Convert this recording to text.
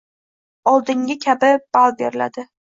Oldingi kabi ball beriladi